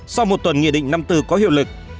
sau một tuần nghị định năm mươi bốn có hiệu lực